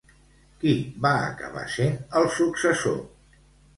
Qui va acabar sent el successor?